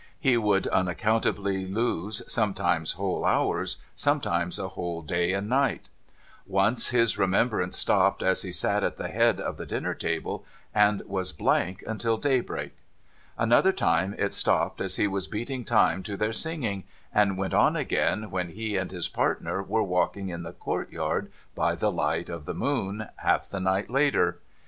He would unaccountably lose, sometimes whole hours, sometimes a whole day and night. Once, his remembrance stopped as he sat at the head of the dinner table, and was blank until daybreak. Another time, it stopped as he was beating time to their singing, and went on again when he and his partner were walking in the courtyard by the light of the moon, half the night later.